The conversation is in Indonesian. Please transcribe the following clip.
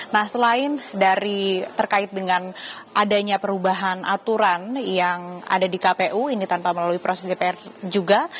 nah selain dari terkait dengan adanya perubahan aturan yang ada di kpu ini tanpa melalui proses dpr juga